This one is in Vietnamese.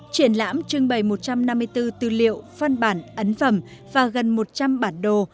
triển lãm trưng bày một trăm năm mươi bốn tư liệu phân bản ấn phẩm và gần một trăm linh bản đồ